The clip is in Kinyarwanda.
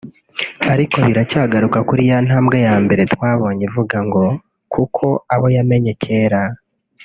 ariko biracyagaruka kuri ya ntambwe yambere twabonye ivuga ngo “kuko abo yamenye kera